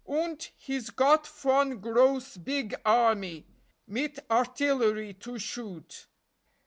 Unt he's got von gross big army, Mit artillery to shoot.